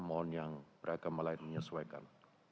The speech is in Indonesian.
mohon yang beragama lain menyesuaikan